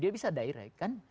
dia bisa direct kan